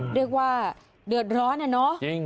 เรียกว่าเดือดร้อนอะเนาะ